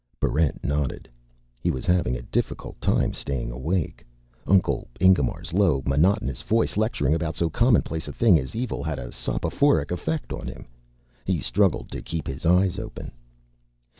Barrent nodded. He was having a difficult time staying awake. Uncle Ingemar's low, monotonous voice lecturing about so commonplace a thing as Evil had a soporific effect on him. He struggled to keep his eyes open.